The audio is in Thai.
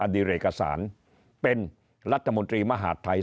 ดีเอกสารเป็นรัฐมนตรีมหาดไทย